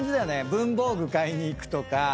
文房具買いに行くとか。